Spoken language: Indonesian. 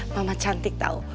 mama cantik tahu